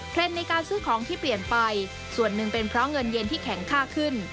ในการซื้อของที่เปลี่ยนไปส่วนหนึ่งเป็นเพราะเงินเย็นที่แข็งค่าขึ้น